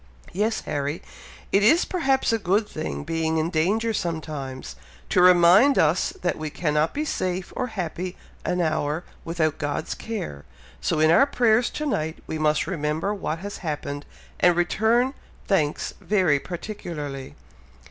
"Yes, Harry! It is perhaps a good thing being in danger sometimes, to remind us that we cannot be safe or happy an hour without God's care, so in our prayers to night we must remember what has happened, and return thanks very particularly."